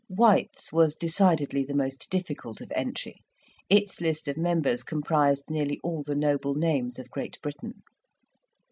White's was decidedly the most difficult of entry; its list of members comprised nearly all the noble names of Great Britain.